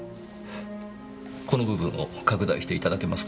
この部分を拡大していただけますか。